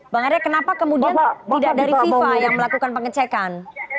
bang arya kenapa kemudian tidak dari fifa yang melakukan pengecekan